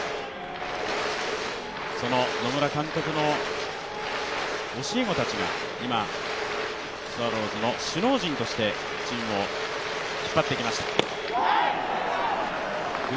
その野村監督の教え子たちが今、スワローズの首脳陣としてチームを引っ張ってきました。